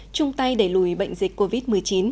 chung tay đẩy lùi bệnh dịch covid một mươi chín